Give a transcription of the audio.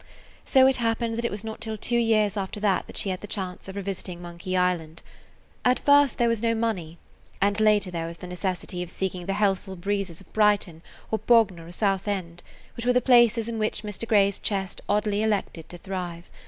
So it happened that it was not till two years after that she had the chance of revisiting Monkey Island. At first there was no money, and later there was the necessity of seeking the healthful breezes of Brighton or Bognor or Southend, which were the places in which Mr. Grey's chest oddly elected to thrive.